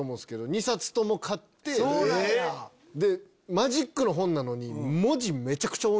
マジックの本なのに。